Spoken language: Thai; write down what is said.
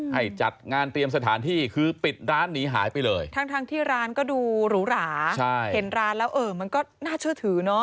ให้จัดงานเตรียมสถานที่คือปิดร้านหนีหายไปเลยทั้งที่ร้านก็ดูหรูหราเห็นร้านแล้วเออมันก็น่าเชื่อถือเนาะ